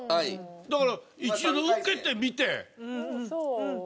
だから一度受けてみて。